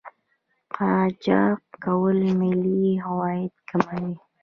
قاچاق کول ملي عواید کموي.